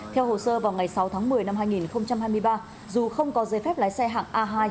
theo hồ sơ vào ngày sáu tháng một mươi năm hai nghìn hai mươi ba dù không có giấy phép lái xe hạng a hai